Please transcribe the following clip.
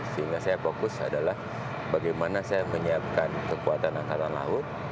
sehingga saya fokus adalah bagaimana saya menyiapkan kekuatan angkatan laut